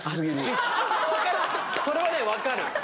それはね分かる！